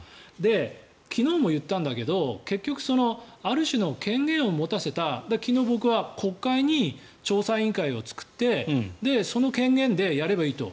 昨日も言ったんだけど結局、ある種の権限を持たせた昨日、僕は国会に調査委員会を作ってその権限でやればいいと。